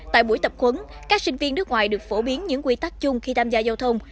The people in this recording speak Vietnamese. tại buổi tập khuấn các sinh viên nước ngoài được phổ biến những quy tắc chung khi tham gia giao thông